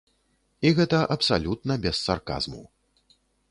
І гэта абсалютна без сарказму.